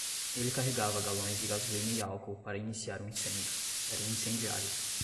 Ele carregava galões de gasolina e álcool para iniciar um incêndio, era um incendiário